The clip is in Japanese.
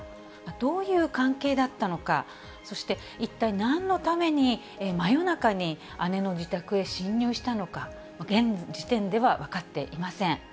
どういう関係だったのか、そして一体なんのために真夜中に姉の自宅へ侵入したのか、現時点では分かっていません。